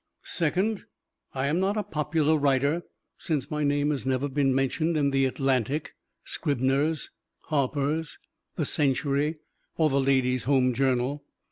Second, I am not a popular writer, since my name has never been mentioned in the "Atlantic," "Scribner's," "Harper's," "The Century" or the "Ladies' Home Journal."